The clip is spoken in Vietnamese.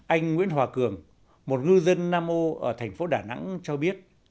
anh nguyễn hòa cường một ngư dân nam âu ở thành phố đà nẵng cho biết